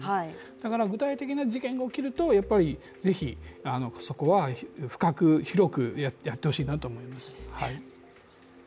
だから具体的な事件が起きるとやっぱりぜひそこは深く広くやってほしいなと思いますね。